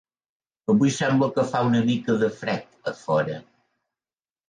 Avui sembla que fa una mica de fred a fora.